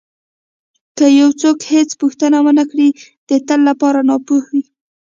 که یو څوک هېڅ پوښتنه ونه کړي د تل لپاره ناپوه وي.